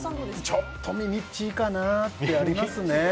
ちょっとみみっちいかなってありますね。